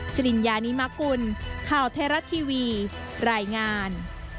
สิริญญานิมกุลข่าวไทยรัฐทีวีรายงาน